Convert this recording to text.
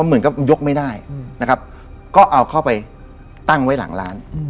เหมือนกับยกไม่ได้นะครับก็เอาเข้าไปตั้งไว้หลังร้าน